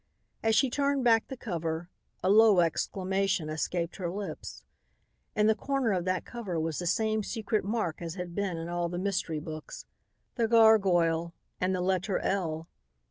As she turned back the cover a low exclamation escaped her lips. In the corner of that cover was the same secret mark as had been in all the mystery books, the gargoyle and the letter L.